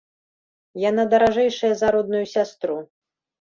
Яна даражэйшая за родную сястру.